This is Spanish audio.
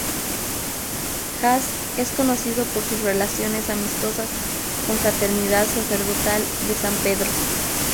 Haas es conocido por sus relaciones amistosas con Fraternidad Sacerdotal de San Pedro.